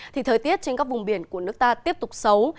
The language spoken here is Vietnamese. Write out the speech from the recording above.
thì thời tiết trên các vùng biển của nước ta tiếp tục xấu